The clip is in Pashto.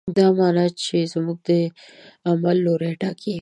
دا معنی زموږ د عمل لوری ټاکي.